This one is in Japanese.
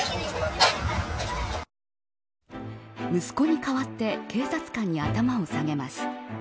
息子に代わって警察官に頭を下げます。